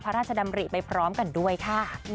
พระราชดำริไปพร้อมกันด้วยค่ะ